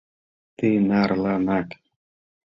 — Тынарланак?!